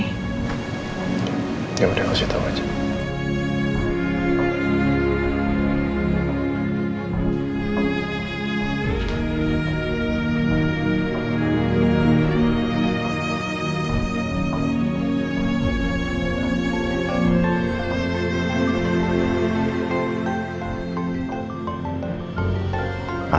yaudah kasih tau aja